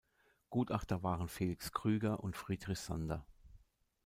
Gutachter waren Felix Krueger und Friedrich Sander.